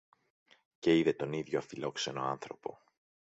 και είδε τον ίδιο αφιλόξενο άνθρωπο